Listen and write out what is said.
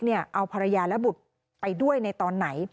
เอาภรรยาและบุตรไปด้วยในตอนไหน